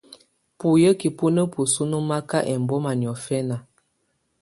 Buyǝ́ki bù na bǝsu nɔmaka ɛmbɔma niɔ̀fɛna.